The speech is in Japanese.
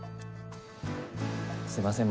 すいません